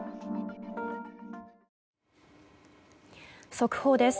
速報です。